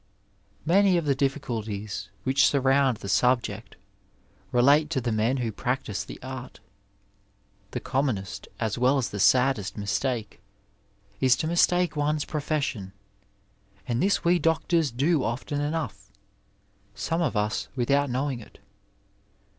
Many of the difficulties which surround the subject relate to the men who practise the art. The commonest as well as the saddest mistake is to mistake one's profession* and this we doctors do often enough, some of us, without knowing it.